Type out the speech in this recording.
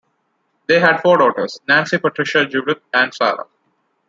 They had four daughters: Nancy, Patricia, Judith, and Sara.